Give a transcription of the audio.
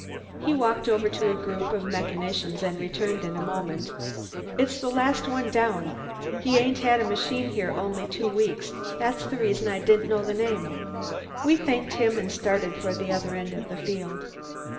He walked over to a group of mechanicians and returned in a moment. "It's the last one down. He ain't had a machine here only two weeks. That's the reason I didn't know the name." We thanked him and started for the other end of the field.